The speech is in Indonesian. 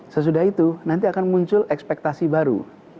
sesudah itu nanti akan muncul ekspektasi baru